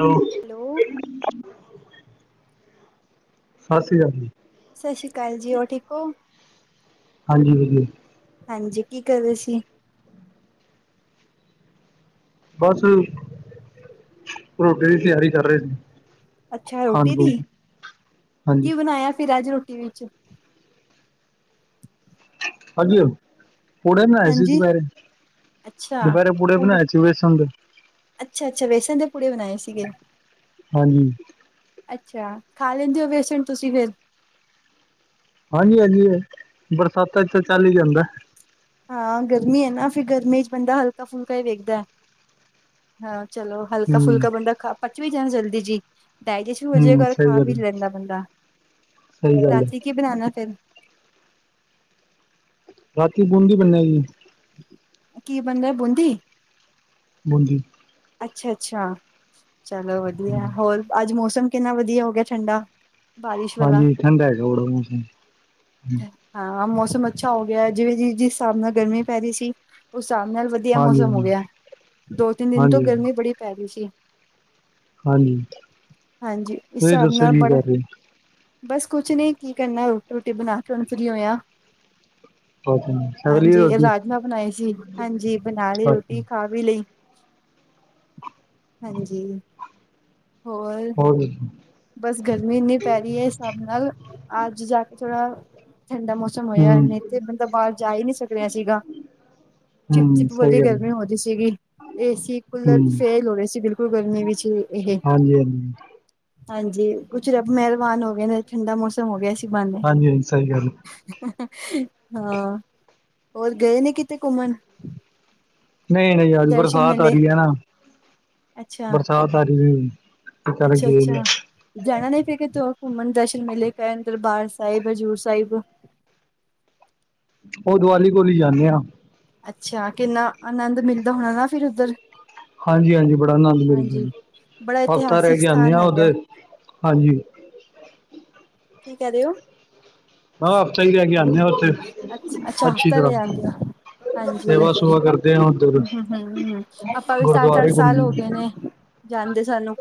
Hello ਲੋ ਸਾਸ ਸ਼੍ਰੀ ਕਾਲ ਜੀ ਸਤਿ ਸ਼੍ਰੀ ਅਕਾਲ ਜੀ ਹੋਰ ਠੀਕ ਓ ਹਾਂਜੀ ਵੀਰ ਜੀ। ਹਾਂਜੀ ਕੀ ਕਰ ਰੇ ਸੀ? ਬਸ ਰੋਟੀ ਦੀ ਤਿਆਰੀ ਕਰ ਰਹੇ ਸੀ। ਅੱਛਾ ਖਾਣ ਰੋਟੀ ਖੂਣ ਵਿੱਚ ਦੀ ਹਾਂਜੀ ਕੀ ਬਣਾਇਆ ਫਿਰ ਅੱਜ। ਹਾਂਜੀ ਹਾਂਜੀ ਦੁਪਹਿਰੇ ਅੱਛਾ ਬੇਸਣ ਦੇ ਪੂੜੇ ਬਣਾਏ ਸੀ। ਅੱਛਾ ਅੱਛਾ ਬੇਸਣ ਦੇ ਪੂੜੇ ਬਣਾਏ ਸੀਗੇ। ਹਾਂਜੀ। ਅੱਛਾ, ਤੁਸੀਂ ਬੇਸਣ ਖਾ ਲੈਂਦੇ ਹੋ ਫਿਰ। ਹਾਂਜੀ ਹਾਂਜੀ ਬਰਸਾਤਾਂ ਵਿੱਚ ਤਾਂ ਚੱਲ ਹੀ ਜਾਂਦਾ ਹੈ। ਹਾਂ ਗਰਮੀ ਹੈ ਨਾ, ਫਿਰ ਗਰਮੀ ਵਿੱਚ ਬੰਦਾ ਹਲਕਾ ਫੁਲਕਾ ਹੀ ਵੇਖਦਾ ਹੈ, ਹਾਂ ਚਲੋ। ਹਲਕਾ ਹੂੰ ਫੁਲਕਾ ਬੰਦਾ ਖਾ ਕੇ ਪਚਾ ਵੀ ਜਲਦੀ ਜਾਂਦਾ ਹੈ ਜੀ। ਡਾਇਜੈਸਟ ਵੀ ਹੋ ਹੂੰ ਜਾਏਗਾ ਫਿਰ, ਸਹੀ ਖਾ ਗੱਲ ਵੀ ਹੈ, ਲੈਂਦਾ ਬੰਦਾ, ਸਹੀ ਗੱਲ ਹੈ ਰਾਤੀਂ ਕੀ ਬਣਾਉਣਾ ਫਿਰ। ਰਾਤੀਂ ਬੂੰਦੀ ਬਣੇਗੀ। ਕੀ ਬਣਦਾ ਹੈ ਬੂੰਦੀ ਦਾ? ਬੂੰਦੀ। ਅੱਛਾ-ਅੱਛਾ ਚਲੋ ਵਧੀਆ, ਹੋਰ ਅੱਜ ਮੌਸਮ ਕਿੰਨਾ ਵਧੀਆ ਹੋ ਗਿਆ ਠੰਡਾ। ਬਾਰਿਸ਼ ਵਾਲਾ ਹਾਂਜੀ ਠੰਡਾ ਹੈਗਾ। ਹਾਂ ਮੌਸਮ ਅੱਛਾ ਹੋ ਗਿਆ, ਜਿਸ ਹਿਸਾਬ ਨਾਲ ਗਰਮੀ ਪੈ ਰਹੀ ਸੀ, ਉਸ ਹਿਸਾਬ ਨਾਲ। ਵਧੀਆ ਹਾਂਜੀ ਮੌਸਮ ਹੋ ਹਾਂਜੀ ਗਿਆ, ਦੋ-ਤਿੰਨ ਦਿਨ ਤੋਂ ਹਾਂਜੀ ਗਰਮੀ ਬੜੀ ਪੈ ਰਹੀ ਸੀ। ਹਾਂਜੀ ਹਾਂਜੀ, ਇਸ ਤੁਸੀਂ ਹਿਸਾਬ ਦੱਸੋ ਨਾਲ ਕੀ ਬੜਾ। ਕਰ ਰਹੇ ਬਸ ਕੁਝ ਨਹੀਂ, ਕੀ ਕਰਨਾ ਰੋਟੀ-ਰੂਟੀ ਬਣਾ ਕੇ ਹੁਣ ਫਰੀ ਹੋਏ ਆਂ। ਹੋ ਛਕ ਲਈ ਹਾਂਜੀ ਰੋਟੀ ਰਾਜਮਾ ਬਣਾਏ ਸੀ, ਹਾਂਜੀ ਬਣਾ ਲਈ ਰੋਟੀ ਅੱਛਾ ਖਾ ਵੀ ਲਈ। ਹਾਂਜੀ ਹੋਰ। ਹੋਰ ਕੀ? ਬਸ ਗਰਮੀ ਇੰਨੀ ਪੈ ਰਹੀ ਏ, ਹਿਸਾਬ ਨਾਲ ਅੱਜ ਜਾ ਕੇ ਥੋੜ੍ਹਾ ਠੰਡਾ ਮੌਸਮ ਹੋਇਆ। ਹੋਇਆ ਹੂੰ ਨਹੀਂ ਤੇ ਬੰਦਾ ਬਾਹਰ ਜਾ ਹੀ ਨਹੀਂ ਸਕ ਰਿਹਾ ਸੀ। ਹੂੰ ਚਿੱਪ-ਚਿੱਪ ਸਹੀ ਵਾਲੀ ਗੱਲ ਹੈ ਗਰਮੀ ਹੋ ਰਹੀ ਸੀ, ਹੂੰ, ਏਸੀ-ਕੂਲਰ ਫੇਲ ਹੋ ਰਹੇ ਸੀ, ਬਿਲਕੁਲ ਗਰਮੀ ਵਿੱਚ ਹੀ। ਹਾਂਜੀ। ਹਾਂਜੀ ਕੁਝ ਰੱਬ ਮਿਹਰਬਾਨ ਹੋ ਗਏ ਨੇ, ਠੰਡਾ ਮੌਸਮ ਹੋ ਗਿਆ, ਅਸੀਂ ਬਹਾਨੇ। ਹਾਂਜੀ ਹਾਂਜੀ ਸਹੀ ਗੱਲ ਹਾਂ ਹੋਰ ਗਏ ਸੀ ਕਿਤੇ ਘੁੰਮਣ? ਨਹੀਂ-ਨਹੀਂ, ਅੱਜ ਦਰਸ਼ਨ ਬਰਸਾਤ ਆ ਮੇਲੇ ਰਹੀ ਏ ਨਾ, ਅੱਛਾ, ਬਰਸਾਤ। ਪਰ। ਅੱਛਾ-ਅੱਛਾ। ਜਾਣਾ ਨਹੀਂ ਫੇਰ ਕਿਤੇ ਹੋਰ, ਘੁੰਮਣ ਦਰਸ਼ਨ ਮੇਲੇ ਕਰਨ, ਦਰਬਾਰ ਸਾਹਿਬ, ਹਜ਼ੂਰ ਸਾਹਿਬ। ਉਹ ਦੀਵਾਲੀ ਕੋਲ ਹੀ ਜਾਂਦੇ ਆ। ਅੱਛਾ ਕਿੰਨਾ ਅਨੰਦ ਮਿਲਦਾ ਹੋਣਾ ਨਾ ਫਿਰ ਉੱਧਰ। ਹਾਂਜੀ-ਹਾਂਜੀ, ਬੜਾ ਆਨੰਦ ਮਿਲਦਾ ਹਾਂਜੀ ਜੀ, ਬੜਾ ਵਖਤਾਂ ਰਹਿ ਇਤਿਹਾਸਿਕ ਕੇ ਆਉਂਦੇ ਸਥਾਨ ਹਾਂ ਹੈਗਾ ਉੱਧਰ, ਹਾਂਜੀ। ਕੀ ਕਹਿ ਰਹੇ ਹੋ? ਹਾਂ, ਆਪ ਚ ਆਇਆ ਆਂਦੇ। ਅੱਛਾ-ਅੱਛਾ, ਹਫ਼ਤੇ ਦੇ ਆਦੀ ਆ। ਹਾਂਜੀ, ਸੇਵਾ ਸੁਵਾ ਹਾਂ, ਕਰਦੇ ਆ ਉੱਧਰ ਹਮ, ਆਪਾਂ ਨੂੰ ਵੀ ਸੱਤ-ਅੱਠ ਗੁਰਦੁਆਰੇ ਸਾਲ ਹੋ ਘੁੰਮਦੇ ਗਏ ਨੇ। ਜਾਂਦੇ, ਸਾਨੂੰ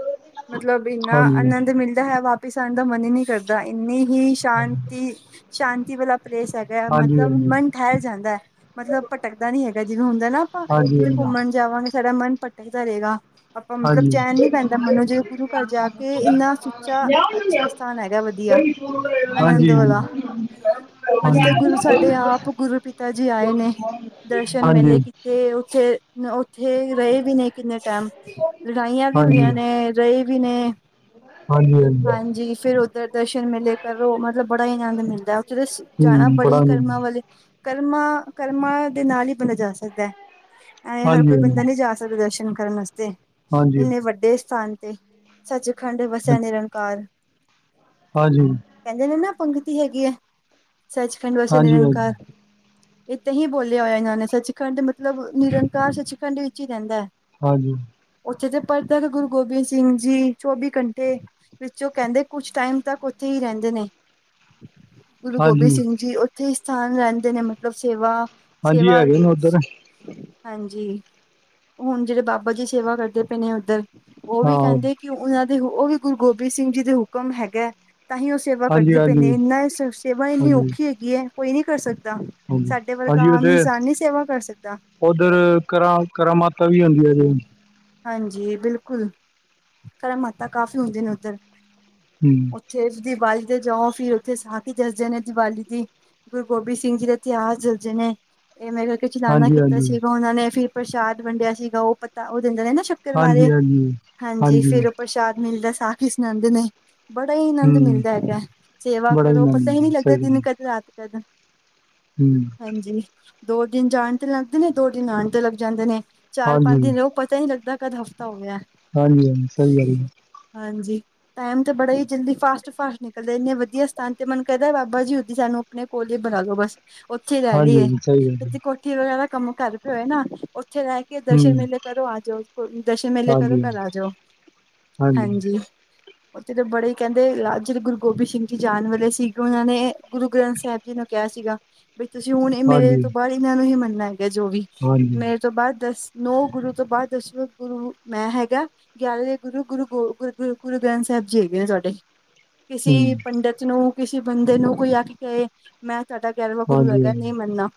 ਮਤਲਬ ਇੰਨਾ ਹਾਂ। ਆਨੰਦ ਮਿਲਦਾ ਹੈ, ਵਾਹ! ਉਥੋਂ ਆਉਣ ਦਾ ਮਨ ਹੀ ਨਹੀਂ ਕਰਦਾ, ਇੰਨੀ ਸ਼ਾਂਤੀ-ਸ਼ਾਂਤੀ ਵਾਲਾ ਪਲੇਸ ਹੈ। ਹਾਂਜੀ ਮਤਲਬ ਹਾਂਜੀ ਮਨ ਠਹਿਰ ਜਾਂਦਾ ਹੈ, ਮਤਲਬ। ਭਟਕਦਾ ਨਹੀਂ ਹੈਗਾ, ਜਿਵੇਂ ਹੁੰਦਾ ਨਾ ਆਪਾਂ ਹਾਂਜੀ ਕਿੱਥੇ ਹਾਂਜੀ ਘੁੰਮਣ ਜਾਵਾਂਗੇ, ਸਾਡਾ ਮਨ ਭਟਕਦਾ ਰਹੇਗਾ। ਆਪਾਂ ਨੂੰ ਮਤਲਬ ਹਾਂਜੀ ਚੈਨ ਨਹੀਂ ਪੈਂਦਾ, ਮਨ ਨੂੰ ਜੇ ਗੁਰੂ-ਘਰ ਜਾ ਕੇ ਇੰਨਾ ਸੁੱਚਾ, ਅੱਛਾ। ਸਥਾਨ ਹੈਗਾ, ਵਧੀਆ ਹਾਂਜੀ ਆਨੰਦ ਹਾਂਜੀ ਵਾਲਾ। ਮਜੇ ਤਾਂ ਗੁਰੂ ਹਾਂਜੀ ਸਾਡੇ ਆਪ ਗੁਰੂ ਪਿਤਾ ਜੀ ਆਏ ਨੇ, ਦਰਸ਼ਨ ਮੇਲੇ ਹਾਂਜੀ ਕੀਤੇ ਉੱਥੇ ਉੱਥੇ ਰਹੇ ਵੀ ਨੇ ਕਿੰਨੇ ਟੈਮ ਲੜਾਈਆਂ ਵੀ ਹੋਈਆਂ ਹਾਂਜੀ ਨੇ ਰਹੇ ਵੀ ਨੇ। ਹਾਂਜੀ, ਹਾਂਜੀ ਫਿਰ ਉੱਧਰ ਦਰਸ਼ਨ ਮਿਲੇ ਕਰੋ ਮਤਲਬ ਬੜਾ ਈ ਆਨੰਦ ਮਿਲਦਾ। ਜਦੋ ਜਾਣਾ ਹੂੰ ਬੜੇ ਪੜਾਂਗੇ ਜੀ ਕਰਮਾਂ ਵਾਲੇ ਕਰਮਾਂ ਕਰਮਾਂ ਦੇ ਨਾਲ ਹੀ ਬਣਿਆ ਜਾ ਸਕਦਾ। ਐ ਹਰ ਕੋਈ ਹਾਂਜੀ ਬੰਦਾ ਨੀ ਜਾ ਸਕਦਾ ਦਰਸ਼ਨ ਕਰਨ ਵਾਸਤੇ, ਹਾਂਜੀ ਹਾਂਜੀ ਇੰਨੇ ਵੱਡੇ ਸਥਾਨ ਤੇ ਸੱਚਖੰਡ ਵਸਿਆ ਨਿਰੰਕਾਰ ਹਾਂਜੀ, ਕਹਿੰਦੇ ਨੇ ਨਾ ਪੰਗਤੀ ਹੈਗੀ ਐ, ਸੱਚਖੰਡ ਵਸੇ ਹਾਂਜੀ ਨਿਰੰਕਾਰ ਇਹ ਤਾਹੀ ਬੋਲਿਆ ਹੋਇਆ ਇਹਨਾਂ ਨੇ ਸੱਚਖੰਡ ਮਤਲਬ ਨਿਰੰਕਾਰ ਸੱਚਖੰਡ ਵਿੱਚ ਈ ਰਹਿੰਦਾ। ਹਾਂਜੀ, ਉੱਥੇ ਤੇ ਪਰਤਕ ਗੁਰੂ ਗੋਬਿੰਦ ਸਿੰਘ ਜੀ ਚੌਵੀ ਘੰਟੇ ਤੇ ਵਿੱਚ ਉਹ ਕਹਿੰਦੇ ਕੁਛ ਟਾਈਮ ਤੱਕ ਉੱਥੇ ਹੀ ਰਹਿੰਦੇ ਨੇ। ਗੁਰੂ ਗੋਬਿੰਦ ਹਾਂਜੀ, ਸਿੰਘ ਜੀ ਉੱਥੇ ਈ ਸਥਾਨ ਰਹਿੰਦੇ ਨੇ ਮਤਲਬ ਸੇਵਾ ਹਾਂਜੀ ਸੇਵਾ ਹੈਗੇ ਨੇ ਉੱਧਰ ਹਾਂਜੀ ਹੁਣ ਜਿਹੜੇ ਬਾਬਾ ਜੀ ਸੇਵਾ ਕਰਦੇ ਪਏ ਨੇ ਉੱਧਰ ਉਹ ਵੀ ਹਾਂ ਕਹਿੰਦੇ ਕਿ ਉਹਨਾਂ ਦੇ ਉਹ ਵੀ ਗੁਰੂ ਗੋਬਿੰਦ ਸਿੰਘ ਜੀ ਦੇ ਹੁਕਮ ਹੈਗਾ ਤਾਹੀ ਉਸ ਸੇਵਾ ਹਾਂਜੀ ਕਰਦੇ ਪਏ ਨੇ ਹਾਂਜੀ ਇੰਨਾ ਸੇਵਾ ਇੰਨੀ ਹਾਂਜੀ ਔਖੀ ਹੈਗੀ ਐ ਕੋਈ ਨੀ ਕਰ ਸਕਦਾ। ਹਾਂਜੀ ਸਾਡੇ ਵਰਗਾ ਆਮ ਇਨਸਾਨ ਨੀ ਸੇਵਾ ਕਰ ਸਕਦਾ। ਓਧਰ ਕਰਾ ਕਰਾ ਮਾਤਾ ਵੀ ਹੁੰਦੀਆ ਨੇ ਜੀ। ਹਾਂਜੀ ਬਿਲਕੁਲ ਕਰਾਮਾਤਾ ਕਾਫ਼ੀ ਹੁੰਦਿਆ ਨੇ ਉੱਧਰ ਹੂੰ, [unintelligible] ਦੀਵਾਲੀ ਤੇ ਜਾਓ ਫੇਰ ਉੱਥੇ ਸਾਥੀ ਦੱਸਦੇ ਨੇ ਦੀਵਾਲੀ ਦੀ। ਗੁਰੂ ਗੋਬਿੰਦ ਸਿੰਘ ਜੀ ਦਾ ਇਤਿਹਾਸ ਦਸਦੇ ਨੇ ਇਹ ਮੇਰੇ ਚਲਾਨਾ ਹਾਂਜੀ ਕੀਤਾ ਹਾਂਜੀ ਸੀਗਾ ਉਹਨਾਂ ਨੇ ਫਿਰ ਪ੍ਰਸ਼ਾਦ ਵੰਡਿਆ ਸੀਗਾ ਉਹ ਪਤਾ ਉਹ ਦਿੰਦੇ ਨੇ ਨਾ ਸ਼ ਕਰਵਾ ਹਾਂਜੀ ਦੇ, ਹਾਂਜੀ ਹਾਂਜੀ ਫੇਰ ਉਹ ਪ੍ਰਸ਼ਾਦ ਮਿਲਦਾ ਸਾਖੀ ਈ ਸੁਣਾਦੇ ਨੇ। ਬੜਾ ਈ ਆਨੰਦ ਹੂੰ ਮਿਲਦਾ ਹੈਗਾ, ਸੇਵਾ ਬੜਾ ਹੀ ਕਰੋ ਨਾਮ ਪਤਾ ਈ ਨੀ ਹੈਗਾ, ਲੱਗਦਾ ਸਹੀ ਗੱਲ ਦਿਨ ਹੈ, ਕਦੇ ਰਾਤ ਕਦ ਹੂੰ, ਹਾਂਜੀ ਦੋ ਦਿਨ ਜਾਣ ਤੇ ਲੱਗਦੇ ਨੇ ਦੋ ਦਿਨ ਆਣ ਤੇ ਲੱਗ ਜਾਂਦੇ ਨੇ ਚਾਰ ਪੰਜ ਹਾਂਜੀ ਦਿਨ ਲੋਕ ਪਤਾ ਈ ਨੀ ਲਗਦਾ ਕਦੋ ਹਾਂਜੀ ਹਾਂਜੀ ਸਹੀ ਗੱਲ ਐ। ਹਾਂਜੀ, ਟੈਮ ਤੇ ਬੜਾ ਈ ਜਲਦੀ ਫਾਸਟ ਫਾਸਟ ਨਿਕਲਦੇ ਇੰਨੇ ਵਧੀਆ ਸਥਾਨ ਤੇ ਮਨ ਕਰਦਾ ਬਾਬਾ ਜੀ ਉਥੀ ਸਾਨੂੰ ਆਪਣੇ ਕੋਲ ਈ ਬਣਾ ਦੋ ਬਸ ਉੱਥੇ ਰਹਿਲੀਏ ਹਾਂਜੀ ਸਹੀ ਕਿ ਗੱਲ ਹੈ, [unintelligible] ਵਗੈਰਾ ਕੰਮ ਕਰਦੇ ਹੋਏ ਨਾ, ਉੱਥੇ ਰਹਿ ਕੇ ਹੂੰ ਦਰਸ਼ਨ ਮੇਲੇ ਕਰੋ ਆ ਜਾਓ ਦਰਸ਼ਨ ਮੇਲੇ ਕਰੋ ਹਾਂਜੀ ਘਰ ਆ ਜਾਓ ਹਾਂਜੀ। ਉੱਥੇ ਤਾਂ ਬੜੇ ਈ ਕਹਿੰਦੇ ਰਾਜ ਜਿਹੜੇ ਗੁਰੂ ਗੋਬਿੰਦ ਸਿੰਘ ਜੀ ਜਾਣ ਵਾਲੇ ਸੀਗੇ ਉਹਨਾਂ ਨੇ ਗੁਰੂ ਗ੍ਰੰਥ ਸਾਹਿਬ ਜਿਹਨੂੰ ਕਿਆ ਸੀਗਾ। ਵੀ ਤੁਸੀਂ ਹੁਣ ਇਹ ਮੇਰੇ ਹਾਂਜੀ ਤੋਂ ਬਾਅਦ ਇਹਨਾਂ ਨੂੰ ਹੀ ਮੰਨਣਾ ਹੈਗਾ ਜੋ ਵੀ ਹਾਂਜੀ ਮੇਰੇ ਤੋਂ ਬਾਅਦ ਦਸ ਨੋ ਗੁਰੂ ਉਸ ਤੋਂ ਬਾਅਦ ਦਸਵੇਂ ਗੁਰੂ ਮੈਂ ਹੈਗਾ। ਪਿਆਰੇ ਗੁਰੂ ਗੁਰੂ ਗ ਗੁਰ ਗੁਰੂ ਗ੍ਰੰਥ ਸਾਹਿਬ ਜੀ ਹੈਗੇ ਨੇ ਤੁਹਾਡੇ। ਕਿਸੇ ਹੂੰ ਪੰਡਿਤ ਨੂੰ ਕਿਸੇ ਬੰਦੇ ਨੂੰ ਕੋਈ ਆ ਕੇ ਕਹੇ। ਮੈਂ ਤੁਹਾਡਾ ਗਿਆਰਵਾ ਗੁਰੂ ਹਾਂਜੀ ਹਾਂਜੀ ਹੈਗਾ ਨਈ ਮੰਨਨਾ,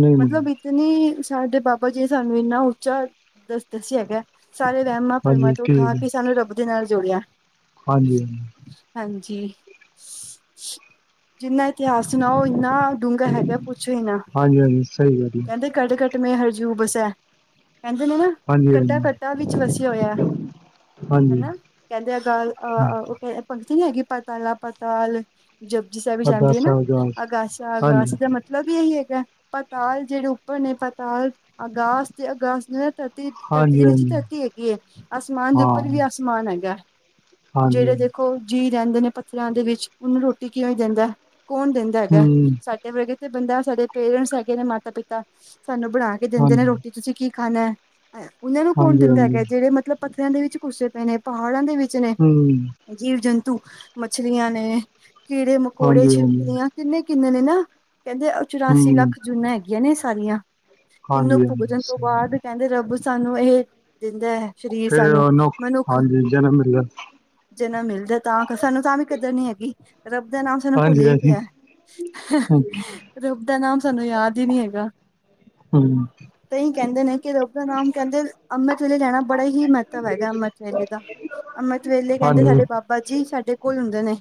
ਨਹੀਂ ਨਹੀਂ ਮਤਲਬ। ਤੇ ਨਹੀਂ ਸਾਡੇ ਬਾਬਾ ਜੀ ਸਾਨੂੰ ਇੰਨਾ ਉੱਚਾ ਦੱਸ ਦੱਸਿਆ ਹੈਗਾ। ਸਾਰੇ ਵਹਿਮਾਂ ਭਰਮਾਂ ਹਾਂਜੀ ਤੋਂ ਉਠਾ ਠੀਕ ਹੈ ਕੇ ਸਾਨੂੰ ਰੱਬ ਦੇ ਨਾਲ ਜੋੜਿਆ। ਹਾਂਜੀ - ਹਾਂਜੀ ਹਾਂਜੀ ਜਿੰਨਾ ਇਤਿਹਾਸ ਸੁਣਾਓ ਇਨਾਂ। ਡੂੰਘਾ ਹੈਗਾ ਪੁੱਛੋ ਹੀ ਨਾ ਹਾਂਜੀ ਹਾਂਜੀ ਸਹੀ ਗੱਲ ਹੈ ਕਹਿੰਦੇ ਕਣ - ਕਣ ਮੈਂ ਹਰਜੂ ਬਸੇ। ਕਹਿੰਦੇ ਨੇ ਨਾ ਹਾਂਜੀ ਕੱਟਾ - ਹਾਂਜੀ ਕੱਟੇਆਂ ਵਿੱਚ ਵਸਿਆ ਹੋਇਆ। ਹਾਂਜੀ ਹਨਾ ਕਹਿੰਦੇ ਅਕਾਲ। ਹਾਂਜੀ ਪੰਕਤੀ ਨੀ ਹੈਗੀ ਪਾਤਾਲਾ ਪਾਤਾਲ ਜਪੁਜੀ ਸਾਹਿਬ ਵਿਚ ਆਂਦੀ ਅਰਦਾਸ ਹੈ ਨਾ ਸਾਹਿਬ ਅਰਦਾਸ ਅਗਾਸਾ ਹਾਂਜੀ ਅਗਾਸ ਦਾ ਮਤਲਬ। ਮਤਲਬ ਇਹੀ ਹੈਗਾ ਪਤਾਲ ਜਿਹੜੇ ਉੱਪਰ ਨੇ ਪਤਾਲ ਅਗਾਸ ਤੇ ਅਗਾਸ। ਧਰਤੀ ਤੇ ਹਾਂਜੀ ਨੀਚੇ ਹਾਂਜੀ ਧਰਤੀ ਹੈਗੀ ਹੈ ਆਸਮਾਨ ਦੇ ਉੱਪਰ ਹਾਂ ਵੀ ਆਸਮਾਨ ਹੈਗਾ। ਹਾਂਜੀ ਜਿਹੜੇ ਦੇਖੋ ਜੀਅ ਰਹਿੰਦੇ ਨੇ ਪੱਥਰਾਂ ਦੇ ਵਿੱਚ ਉਹਨੂੰ ਰੋਟੀ ਕਿਵੇਂ ਦਿੰਦੇ ਕੌਣ ਦਿੰਦਾ? ਹੈਗਾ ਹੂੰ ਹਾਂਜੀ ਸਾਡੇ ਵਰਗੇ ਤੇ ਬੰਦਾ ਸਾਡੇ ਪੇਰੈਂਸ ਹੈਗੇ ਨੇ ਮਾਤਾ ਪਿਤਾ ਸਾਨੂੰ ਬਣਾ ਕੇ ਦਿੰਦੇ ਨੇ ਹਾਂਜੀ ਰੋਟੀ। ਕਿ ਤੁਸੀਂ ਕੀ ਖਾਣਾ ਉਹਨਾਂ ਨੂੰ ਕੌਣ ਹਾਂਜੀ ਦਿੰਦਾ ਹੈਗਾ ਜਿਹੜੇ ਮਤਲਬ ਪੱਥਰਾਆਂ ਦੇ ਵਿੱਚ ਘੁੱਸੇ ਪਏ ਨੇ। ਪਹਾੜਾਂ ਦੇ ਵਿੱਚ ਨੇ ਹੂੰ ਜੀਵ, ਜੰਤੂ, ਮੱਛਲੀਆਂ ਨੇ। ਕੀੜੇ, ਮਕੌੜੇ, ਹਾਂਜੀ ਹਾਂਜੀ ਛਿਪੜੀਆਂ ਕਿੰਨੇ- ਕਿੰਨੇ ਨੇ ਨਾ ਕਹਿੰਦੇ ਚੁਰਾਸੀ ਹੂੰ ਲੱਖ ਜੂਨਾ ਹੈਗੀ ਸਾਰੀਆਂ ਇਹਨੂੰ ਹਾਂਜੀ ਹਾਂਜੀ ਭੁਗਤਣ ਤੋਂ। ਸਹੀ ਬਾਅਦ ਕਹਿੰਦੇ ਰੱਬ ਸਾਨੂੰ ਇਹ ਦਿੰਦਾ ਹੈ। ਸਰੀਰ ਫਿਰ ਸਾਨੂੰ ਉਹਨੂੰ ਮਨੁੱਖ। ਹਾਂਜੀ ਜਨਮ ਮਿਲਿਆ ਜੇਨਾ ਮਿਲਦਾ ਤਾਂ ਸਾਨੂੰ ਤਾਂ ਵੀ ਕਿਦਰ ਨੀ ਹੈਗੀ। ਰੱਬ ਦਾ ਨਾਮ ਸਾਨੂੰ ਭੁੱਲ ਹਾਂਜੀ ਹੀ ਹਾਂਜੀ ਪਿਆ ਹੂੰ ਰੱਬ ਦਾ ਨਾਮ ਸਾਨੂੰ ਯਾਦ ਹੀ ਨੀ ਹੈਗਾ। ਹੁੰ ਤਾਂਹੀ ਕਹਿੰਦੇ ਨੇ ਕਿ ਰੱਬ ਦਾ ਨਾਮ ਕਹਿੰਦੇ ਅੰਮ੍ਰਿਤ ਵੇਲੇ ਲੈਣਾ ਬੜਾ ਹੀ ਮਹੱਤਵ ਹੈਗਾ ਅੰਮ੍ਰਿਤ ਵੇਲੇ ਦਾ। ਅੰਮ੍ਰਿਤ ਵੇਲੇ ਕਹਿੰਦੇ ਹਾਂਜੀ ਸਾਡੇ ਬਾਬਾ ਜੀ ਸਾਡੇ ਕੋਲ ਹੁੰਦੇ ਨੇ।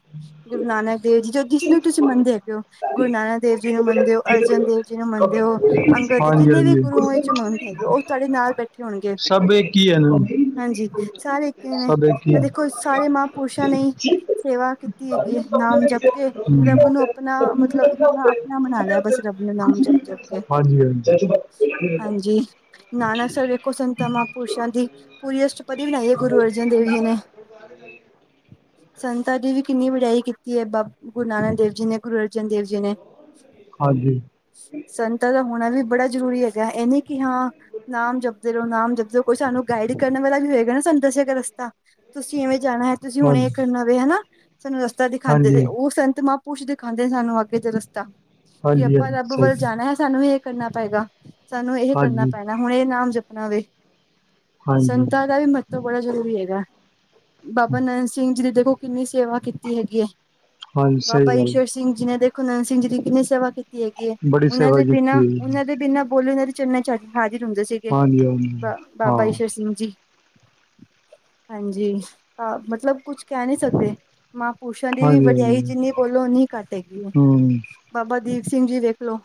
ਗੁਰੂ ਨਾਨਕ ਦੇਵ ਜੀ ਜੋ ਜਿਸਨੂੰ ਤੁਸੀਂ ਮੰਨਦੇ ਹੈਗੇ ਹੋ ਗੁਰੂ ਨਾਨਕ ਦੇਵ ਜੀ ਨੂੰ ਮੰਨਦੇ। ਗੁਰੂ ਅਰਜਨ ਦੇਵ ਜੀ ਨੂੰ ਮੰਨਦੇ ਹੋ ਅੰਗਦ ਦੇ ਜਿੰਨੇ ਵੀ ਹਾਂਜੀ ਗੁਰੂ। ਤੁਹਾਡੇ ਨਾਲ ਬੈਠੇ ਹੋਣਗੇ। ਸਭ ਇਹ ਹੀ ਲੋਕੀ। ਹਾਂਜੀ ਸਾਰੇ ਇੱਕ ਹੀ ਨੇ ਦੇਖੋ ਸਾਰੇ ਮਹਾਂਪੁਰਸ਼। ਮਹਾਪੁਰਸ਼ਾਂ ਨੇ ਹਾਂਜੀ ਸੇਵਾ ਕੀਤੀ ਹੈਗੀ ਹੈ ਨਾਮ ਜਪ। ਕੇ ਰੱਬ ਨੂੰ ਆਪਣਾ ਮਤਲਬ ਆਪਣਾ ਬਣਾ ਲਿਆ ਬਸ ਰੱਬ ਨੂੰ ਨਾਮ ਜਪ - ਜਪ। ਕੇ ਹਾਂਜੀ - ਹਾਂਜੀ। ਹਾਂਜੀ। ਨਾਨਕਸਰ ਦੇੇਖੋ ਸੰਤਾ ਮਹਾਪੁਰਸ਼ਾ ਦੀ ਪੂਰੀ ਅਸਟਪਦੀ ਬਣਾਈ ਗੁਰੂ ਅਰਜਨ ਦੇਵ ਜੀ ਨੇ। ਹੁੰ ਸੰਤਾਂ ਦੀ ਵੀ ਕਿੰਨੀ ਵਡਿਆਈ ਕੀਤੀ ਹੈ ਗੁਰੂ ਨਾਨਕ ਦੇਵ ਜੀ ਨੇ ਗੁਰੂ ਅਰਜਨ ਦੇਵ ਜੀ ਨੇ। ਹਾਂਜੀ। ਸੰਤਾਂ ਦਾ ਹੋਣਾ ਵੀ ਬੜਾ ਜਰੂਰੀ ਹੈਗਾ ਇਹ ਨ ਕਿ ਹਾਂ ਨਾਮ ਜਪਦੇ ਰਹੋ ਨਾਮ ਜਪਦੇ। ਉਹ ਸਾਨੂੰ ਗਾਈਡ ਕਰਨ ਵਾਲਾ ਵੀ ਹੋਏਗਾ ਨਾ ਸਾਨੂੰ ਦੱਸੇਗਾ ਰਸਤਾ ਤੁਸੀਂ ਐਵੇਂ ਜਾਣਾ ਕੋਈ। ਤੁਸੀਂ ਹੁਣ ਹਾਂਜੀ ਇੱਕ ਨਵੇਂ ਹਨਾ ਸਾਨੂੰ ਰਸਤਾ ਦਿਖਾਂਦੇ ਤੇ ਹਾਂਜੀ ਹਾਂਜੀ ਉਹ ਸੰਤਮਹਾ ਮਹਾਂਪੁਰਸ਼ ਦਿਖਾਦੇ ਸਾਨੂੰ ਅੱਗੇ ਦਾ ਰਸਤਾ ਕਿ ਹਾਂਜੀ ਆਪਾਂ ਹਾਂਜੀ ਰੱਬ ਵੱਲ ਸਹੀ ਜਾਣਾ ਹੈ। ਸਾਨੂੰ ਇਹ ਕਰਨਾ ਪਏਗਾ, ਸਾਨੂੰ ਇਹ ਕਰਨਾ ਹਾਂਜੀ ਪੈਣਾ ਹੁਣ ਇਹ ਨਾਮ ਜਪਣਾ ਵੇ। ਹਾਂਜੀ ਸੰਤਾ ਦਾ ਵੀ ਮਹੱਤਵ ਬੜਾ ਜ਼ਰੂਰੀ ਹੈਗਾ। ਬਾਬਾ ਨੰਦ ਸਿੰਘ ਜੀ ਨੇ ਦੇਖੋ ਕਿੰਨੀ ਸੇਵਾ ਕੀਤੀ ਹੈਗੀ ਹੈ। ਹਾਂਜੀ ਸਹੀ ਬਾਬਾ ਗੱਲ ਈਸ਼ਰ ਸਿੰਘ ਜੀ। ਸਿੰਘ ਜੀ ਕਿੰਨੀ ਸੇਵਾ ਕੀਤੀ ਹੈਗੀ ਹੈ। ਬੜੀ ਉਹਨਾਂ ਸੇਵਾ ਦੇ ਕੀਤੀ ਬਿਨਾਂ, ਹੈ ਜੀ ਉਹਨਾਂ ਦੇ ਬਿਨਾਂ। ਬੋਲੇ ਉਹਨਾਂ ਦੇ ਚਰਨਾਂ ਚ ਹਾਜ਼ਰ ਹੁੰਦੇ ਸੀਗੇ ਹਾਂਜੀ ਹਾਂਜੀ ਬਾਬਾ ਹਾਂ ਈਸ਼ਰ ਸਿੰਘ ਜੀ। ਹਾਂਜੀ ਹਾਂ ਮਤਲਬ ਕੁਛ ਕਹਿ ਨਹੀਂ ਸਕਦੇ। ਮਹਾਂਪੁਰਸ਼ਾਂ ਦੀ ਵੀ ਹਾਂਜੀ ਵਡਿਆਈ ਹਾਂਜੀ ਜਿੰਨੀ ਬੋਲੋ ਉਨੀ ਘੱਟ ਹੈਗੀ ਹੈ। ਹਮ ਬਾਬਾ ਦੀਪ ਸਿੰਘ ਜੀ ਵੇਖ ਲਓ।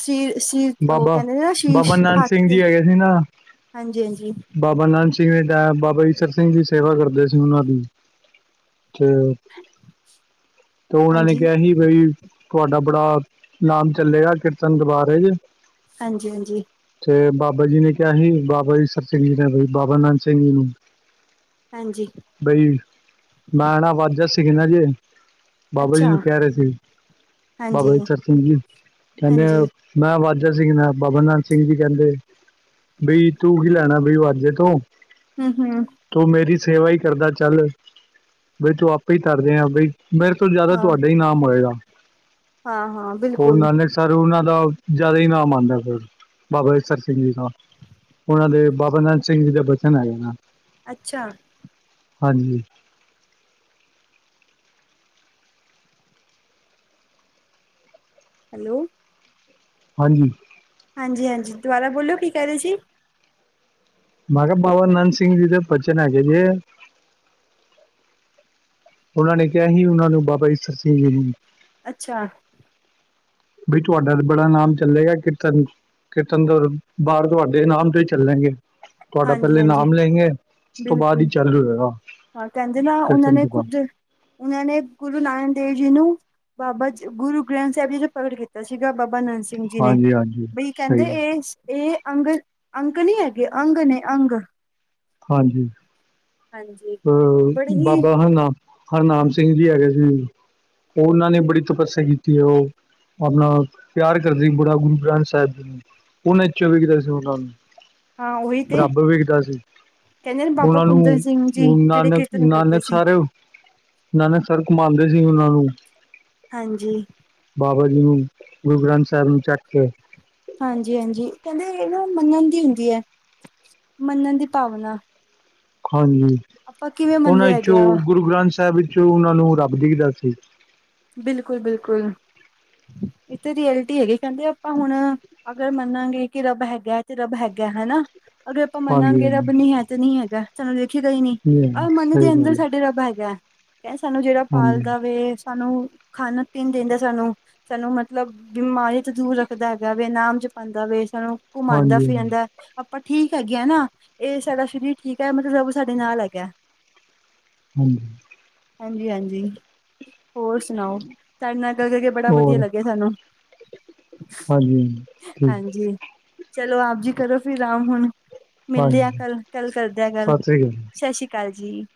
ਸ਼ੀ-ਸ਼ੀ ਓ ਬਾਬਾ ਕਹਿੰਦੇ ਨੇ ਨਾ ਸ਼ੀਸ਼, ਬਾਬਾ ਨਾਨਕ ਹੱਥ ਸਿੰਘ ਤੇ ਜੀ ਹੈਗੇ ਸੀ ਨਾ ਹਾਂਜੀ-ਹਾਂਜੀ ਬਾਬਾ ਨੰਦ ਸਿੰਘ ਜੀ ਡਇਆ, ਬਾਬਾ ਇਸਰ ਸਿੰਘ ਜੀ ਸੇਵਾ ਕਰਦੇ ਸੀ ਉਨ੍ਹਾਂ ਦੀ, ਤੇ ਤੋਂ ਓਨਾਂ ਨੇ ਹਾਂਜੀ। ਕਿਹਾ ਹੀ ਬਈ, ਤੁਹਾਡਾ ਬੜ੍ਹਾ ਨਾਮ ਚੱਲੇਗਾ ਕੀਰਤਨ ਦਰਬਾਰ ਵਿਚ। ਹਾਂਜੀ, ਹਾਂਜੀ। ਤੇ ਬਾਬਾ ਜੀ ਨੇ ਕਿਹਾ ਹੀ, ਬਾਬਾ ਈਸਰ ਸਿੰਘ ਜੀ ਨੇ ਬਾਬਾ ਨੰਦ ਸਿੰਘ ਜੀ ਨੂੰ, ਹਾਂਜੀ। ਬਈ, ਮੈਂ ਨਾ ਵਾਜਾ ਸਿਖਨਾ ਜੇ, ਬਾਬਾ ਜੀ ਅੱਛਾ ਨੂੰ ਕਹਿ ਰਹੇ ਸੀ, ਬਾਬਾ ਹਾਂਜੀ ਈਸਰ ਸਿੰਘ ਜੀ। ਕਹਿੰਦੇ ਹਾਂਜੀ ਮੈਂ ਵਾਜਾ ਸਿੱਖਣਾ, ਬਾਬਾ ਨੰਦ ਸਿੰਘ ਜੀ ਕਹਿੰਦੇ। ਬਈ ਤੂੰ ਕੀ ਲੈਣਾ ਬਈ ਵਾਜੇ ਤੋਂ। ਹੂੰ, ਹੂੰ ਤੂੰ ਮੇਰੀ ਸੇਵਾ ਈ ਕਰਦਾ ਚੱਲ, ਬਈ ਤੂੰ ਆਪੇ ਹੀ ਤਰ ਜਾਏਗਾ ਬਈ। ਮੇਰੇ ਤੋਂ ਜ਼ਿਆਦਾ ਹਾਂ। ਤੁਹਾਡਾ ਹੀ ਨਾਮ ਹੋਏਗਾ, ਹਾਂ ਹਾਂ ਬਿਲਕੁਲ ਓਹਨਾਂ ਨੇ ਸਭ ਫਿਰ ਉਹਨਾਂ ਦਾ ਜ਼ਿਆਦਾ ਹੀ ਨਾਮ ਆਂਦਾ ਫਿਰ, ਬਾਬਾ ਈਸ਼ਰ ਸਿੰਘ ਜੀ ਦਾ। ਓਨਾਂ ਦੇ ਬਾਬਾ ਨੰਦ ਸਿੰਘ ਜੀ ਦੇ ਬਚਨ ਹੈਗੇ ਨੇ ਅੱਛਾ। ਹਾਂਜੀ। ਹੈਲੋ। ਹਾਂਜੀ। ਹਾਂਜੀ, ਹਾਂਜੀ ਦੁਬਾਰਾ ਬੋਲੋ ਕੀ ਕਹਿ ਰਹੇ ਸੀ? ਮੈਂ ਕਿਹਾ ਬਾਬਾ ਨੰਦ ਸਿੰਘ ਦੀ ਦੇ ਬਚਨ ਹੈਗੇ ਜੇ, ਓਨਾਂ ਨੇ ਕਿਹਾ ਹੀ, ਓਨਾਂ ਨੂੰ ਬਾਬਾ ਈਸਰ ਸਿੰਘ ਜੀ ਨੂੰ। ਅੱਛਾ। ਬਈ ਤੁਹਾਡਾ ਬੜਾ ਨਾਮ ਚੱਲੇਗਾ, ਕੀਰਤਨ ਕੀਰਤਨ ਦਰਬਾਰ ਤੁਹਾਡੇ ਨਾਮ ਹੀ ਚੱਲਣਗੇ, ਤੁਹਾਡਾ ਪਹਿਲੇ ਹਾਂਜੀ-ਹਾਂਜੀ ਨਾਮ ਲੈਂਗੇ, ਬਿਲਕੁਲ, ਹਾਂ ਕਹਿੰਦੇ ਨਾ ਓਨਾਂ ਕੀਰਤਨ ਨੇ ਤੋਂ ਬਾਅਦ ਖੁਦ ਓਨਾਂ ਨੇ ਗੁਰੂ ਨਾਨਕ ਦੇਵ ਜੀ ਨੂੰ, ਬਾਬਾ ਜ ਗੁਰੂ ਗ੍ਰੰਥ ਸਾਹਿਬ ਜੀ ਦਾ ਪਾਠ ਕੀਤਾ ਸੀਗਾ ਬਾਬਾ ਨੰਦ ਸਿੰਘ ਸਿੰਘ ਜੀ ਨੇ, ਹਾਂਜੀ ਹਾਂਜੀ ਬਈ ਕਹਿੰਦੇ ਸਹੀ ਹੈ ਇਹ- ਇਹ, ਅੰਗ ਅੰਕ ਨਈ ਹੈਗੇ ਅੰਗ ਨੇ ਅੰਗ। ਹਾਂਜੀ, ਹਾਂਜੀ ਆ ਬੜੇ ਹੀ ਬਾਬਾ ਹਰਨਾਮ ਹਰਨਾਮ ਸਿੰਘ ਜੀ ਹੈਗੇ ਸੀ, ਓਨਾਂ ਨੇ ਬੜੀ ਤਪੱਸਿਆ ਕੀਤੀ ਹੈ, ਓ ਆਪਣਾ ਪਿਆਰ ਕਰਦੇ ਬੜਾ, ਗੁਰੂ ਗ੍ਰੰਥ ਸਾਹਿਬ ਜੀ ਨੂੰ। ਓਹਨੇ ਚੋਵੀ ਦਿਨ ਓਹਨਾਂ ਨੂੰ ਹਾਂ ਉਹੀ ਤੇ ਬਰਾਬਰ ਵੀ ਕੀਤਾ ਸੀ। ਕਹਿੰਦੇ ਨੇ ਬਾਬਾ ਓਨਾਂ ਕੁੰਦਨ ਨੂੰ, ਸਿੰਘ ਜੀ ਜਿਹੜੇ ਨਾਨਕ- ਕੀਰਤਨ ਕਰਦੇ ਨਾਨਕ ਸੀ ਸਾਰ ਨਾਨਕ ਸਰ ਘੁੰਮਾਂਦੇ ਸੀ ਓਨਾਂ ਨੂੰ। ਹਾਂਜੀ। ਬਾਬਾ ਜੀ ਨੂੰ, ਗੁਰੂ ਗ੍ਰੰਥ ਸਾਹਿਬ ਨੂੰ ਚਕ ਕੇ, ਹਾਂਜੀ, ਹਾਂਜੀ ਕਹਿੰਦੇ ਨਾ ਮੰਨਣ ਦੀ ਹੁੰਦੀ ਐ, ਮੰਨਣ ਦੀ ਭਾਵਨਾ। ਹਾਂਜੀ, ਆਪਾਂ ਕਿਵੇਂ ਮੰਨ ਉਹਨਾਂ ਰਿਹਾ ਹੈਗੇ ਵਿੱਚੋਂ ਆ ਗੁਰੂ ਗ੍ਰੰਥ ਸਾਹਿਬ ਵਿੱਚੋਂ, ਉਹਨਾਂ ਨੂੰ ਰੱਬ ਦੀਦਾ ਸੀ। ਬਿਲਕੁਲ, ਬਿਲਕੁਲ, ਇੱਥੇ ਜੀ ਰਐਲਟੀ ਹੈਗੀ, ਕਹਿੰਦੇ ਆਪਾਂ ਹੁਣ, ਅਗਰ ਮੰਨਾਂਗੇ ਕਿ ਰੱਬ ਹੈਗਾ ਹੈ ਤੇ ਰੱਬ ਹੈਗਾ ਹੈਨਾ। ਅਗਰ ਆਪਾਂ ਹਾਂਜੀ ਮੰਨਾਗੇ ਹਾਂਜੀ ਰੱਬ ਨਹੀਂ ਐ ਤੇ ਨਹੀਂ ਹੈਗਾ। ਸਾਨੂੰ ਦਿਖੇਗਾ ਈ ਨੀ, ਜੀ ਹਾਂਜੀ, ਆਹ ਮਨ ਸਹੀ ਦੇ ਅੰਦਰ ਗੱਲ ਹੈ ਸਾਡੇ ਰੱਬ ਹੈਗਾ। ਏ ਸਾਨੂੰ ਜਿਹੜਾ ਹਾਂਜੀ ਪਾਲਦਾ ਵੇ ਸਾਨੂੰ ਖਾਣ - ਪੀਣ ਦੇਦਾਂ ਸਾਨੂੰ, ਸਾਨੂੰ ਮਤਲੱਬ, ਬਿਮਾਰੀ ਤੋਂ ਦੂਰ ਰੱਖਦਾ ਹੈਗਾ ਵੈ, ਨਾਮ ਜਪ ਪਾਦਾਂ ਵੇ, ਸਾਨੂੰ ਘੁੰਮਾਉਂਦਾ ਹਾਂਜੀ ਹਾਂਜੀ ਫਿਰਾਂਦਾ। ਆਪਾਂ ਠੀਕ ਹੈਗੇ ਆ ਨਾ ਏਹ ਸਾਡਾ ਸਰੀਰ ਠੀਕ ਐ ਮਤਲੱਬ ਰਬ ਸਾਡੇ ਨਾਲ ਹੈਗਾ। ਹੰਜੀ। ਹਾਂਜੀ ਹਾਂਜੀ। ਹੋਰ ਸੁਨਾਓ ਤਾਡੇ ਨਾਲ ਕਰ ਕਰਕੇ ਬੜਾ ਵਧੀਆ ਹੋਰ ਲੱਗਿਆ ਸਾਨੂੰ। ਹਾਂਜੀ ਹਾਂਜੀ ਠੀਕ। ਹਾਂਜੀ ਚਲੋ ਆਪ ਜੀ ਕਰੋ ਫਿਰ ਆਰਾਮ ਹੁਣ। ਮਿਲਦੇ ਆ ਹਾਂਜੀ ਕੱਲ ਕੱਲ ਕਰਦੇ ਆ ਗੱਲ ਸਤਿ ਸ੍ਰੀ ਅਕਾਲ ਸਸ਼ੀ ਅਕਾਲ ਜੀ।